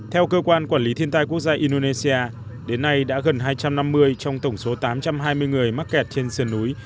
theo cơ quan quản lý thiên tai quốc gia indonesia đến nay đã gần hai trăm năm mươi trong tổng số tám trăm hai mươi người mắc kẹt trên sườn núi